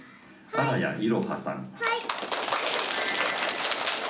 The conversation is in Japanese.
はい！